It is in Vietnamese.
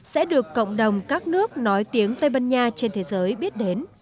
sẽ được cộng đồng các nước nói tiếng tây ban nha trên thế giới biết đến